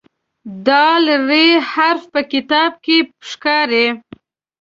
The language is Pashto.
د "ر" حرف په کتاب کې ښکاري.